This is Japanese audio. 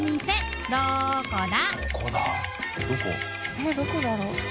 えっどこだろう？